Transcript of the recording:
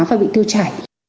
phải bị tiêu chảy